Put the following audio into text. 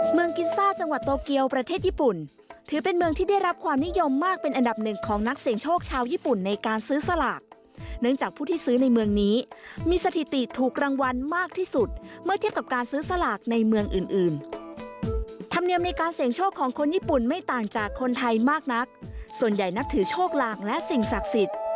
มีความสุขที่สุดมีความสุขที่สุดมีความสุขที่สุดมีความสุขที่สุดมีความสุขที่สุดมีความสุขที่สุดมีความสุขที่สุดมีความสุขที่สุดมีความสุขที่สุดมีความสุขที่สุดมีความสุขที่สุดมีความสุขที่สุดมีความสุขที่สุดมีความสุขที่สุดมีความสุขที่สุดมีความสุขที่สุด